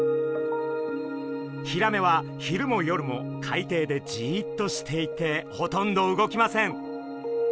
ヒラメは昼も夜も海底でじっとしていてほとんど動きません。